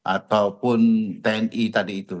ataupun tni tadi itu